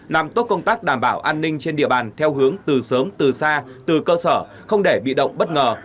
làm tốt công tác đảm bảo an ninh trên địa bàn theo hướng từ sớm từ xa từ cơ sở không để bị động bất ngờ